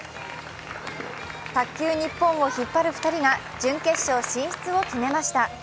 卓球ニッポンを引っ張る２人が準決勝進出を決めました。